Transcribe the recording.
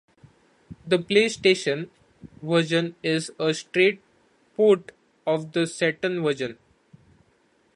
The PlayStation version is a straight port of the Saturn version.